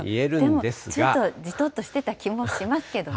でもちょっとじとっとしてた気もするんですけどね。